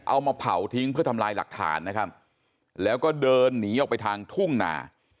เอามาเผาทิ้งเพื่อทำลายหลักฐานนะครับแล้วก็เดินหนีออกไปทางทุ่งนา